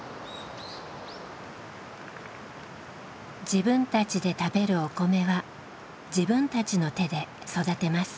自分たちで食べるお米は自分たちの手で育てます。